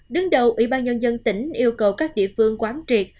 đứng đầu ủy ban nhân dân tỉnh yêu cầu các địa phương quán triệt